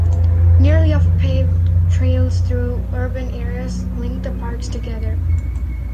Nearly of paved trails through urban areas link the parks together.